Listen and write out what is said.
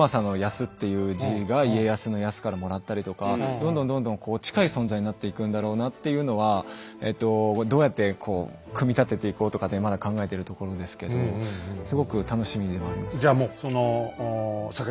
どんどんどんどん近い存在になっていくんだろうなっていうのはどうやって組み立てていこうとかってまだ考えてるところですけどすごく楽しみでもあります。